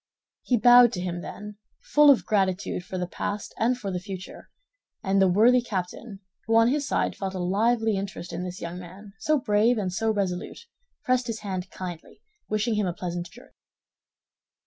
He bowed to him, then, full of gratitude for the past and for the future; and the worthy captain, who on his side felt a lively interest in this young man, so brave and so resolute, pressed his hand kindly, wishing him a pleasant journey.